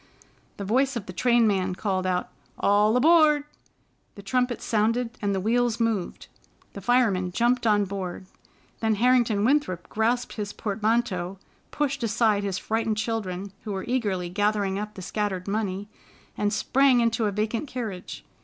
The voice of the trainman cried out, "All aboard!" the trumpet sounded, and the wheels moved. The fireman jumped on, board. Then Harrington Winthrop grasped his portmanteau, pushed aside his frightened children, who were eagerly gathering up the scattered money, and sprang into a vacant carriage.